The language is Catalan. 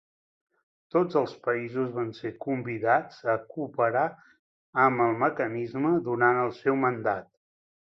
Tots els països van ser convidats a cooperar amb el mecanisme durant el seu mandat.